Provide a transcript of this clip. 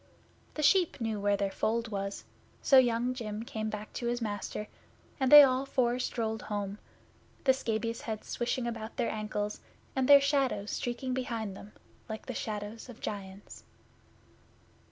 The sheep knew where their fold was, so Young Jim came back to his master, and they all four strolled home, the scabious heads swishing about their ankles, and their shadows streaking behind them like the shadows of giants.